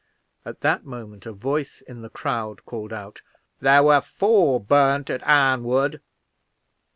At that moment a voice in the crowd called out, "There were four burned at Arnwood!"